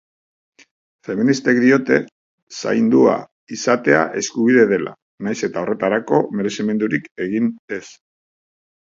Feministek diote zaindua izatea eskubide dela nahiz eta horretarako merezimendurik egin ez